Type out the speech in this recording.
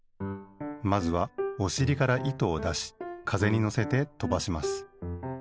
まずはおしりから糸をだしかぜにのせてとばします。